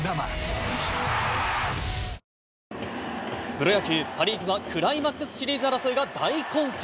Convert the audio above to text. プロ野球パ・リーグはクライマックスシリーズ争いが大混戦。